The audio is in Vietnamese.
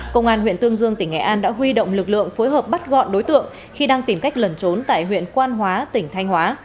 công an huyện tương dương tỉnh nghệ an đã huy động lực lượng phối hợp bắt gọn đối tượng khi đang tìm cách lẩn trốn tại huyện quan hóa tỉnh thanh hóa